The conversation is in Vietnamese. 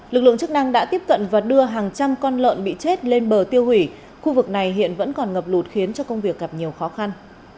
lực lượng chức năng đã tiếp cận và đưa hàng trăm con lợn bị chết lên bờ tiêu hủy khu vực này hiện vẫn còn ngập lụt khiến cho công việc gặp nhiều khó khăn